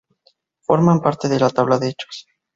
Forman parte de la tabla de hechos.